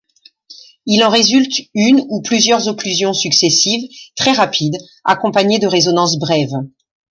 Il en résulte une ou plusieurs occlusions successives, très rapides, accompagnées de résonances brèves.